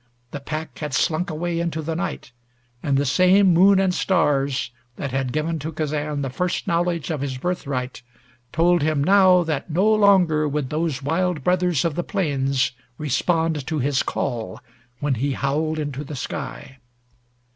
The pack had slunk away into the night, and the same moon and stars that had given to Kazan the first knowledge of his birthright told him now that no longer would those wild brothers of the plains respond to his call when he howled into the sky.